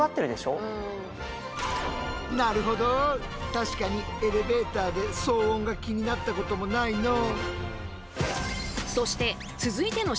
確かにエレベーターで騒音が気になったこともないのう。